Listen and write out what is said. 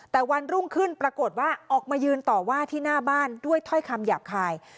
แต่วันรุ่งขึ้นปรากฏว่าออกมายืนต่อว่าที่หน้าบ้านด้วยถ้อยคำหยาบคาย